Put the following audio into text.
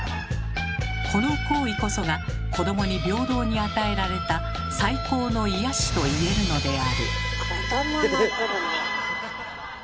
この行為こそが子どもに平等に与えられた最高の癒やしと言えるのである。